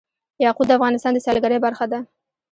یاقوت د افغانستان د سیلګرۍ برخه ده.